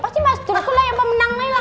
pasti mas dulguku lah yang pemenang nih lah